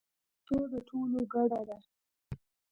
پښتو د ټولو ګډه ده.